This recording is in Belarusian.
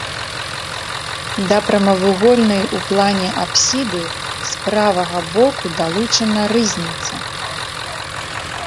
Да прамавугольнай у плане апсіды з правага боку далучана рызніца.